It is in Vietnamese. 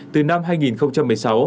từ năm hai nghìn một mươi sáu